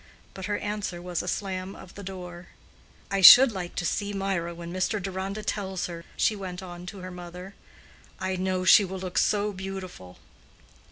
But her answer was a slam of the door. "I should like to see Mirah when Mr. Deronda tells her," she went on to her mother. "I know she will look so beautiful."